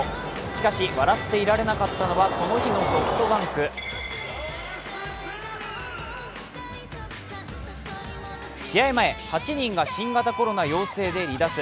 しかし笑っていられなかったのはこの日のソフトバンク。試合前、８人が新型コロナ陽性で離脱。